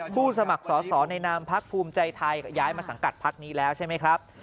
สมัครสอสอในนามพักภูมิใจไทยย้ายมาสังกัดพักนี้แล้วใช่ไหมครับ